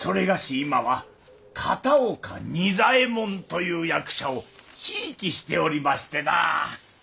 今は片岡仁左衛門という役者を贔屓しておりましてな。